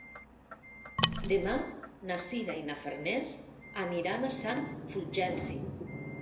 Demà na Sira i na Farners aniran a Sant Fulgenci.